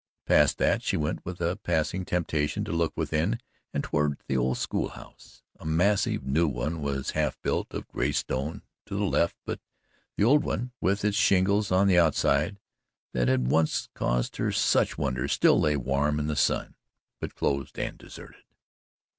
Past that she went, with a passing temptation to look within, and toward the old school house. A massive new one was half built, of gray stone, to the left, but the old one, with its shingles on the outside that had once caused her such wonder, still lay warm in the sun, but closed and deserted.